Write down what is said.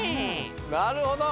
なるほど。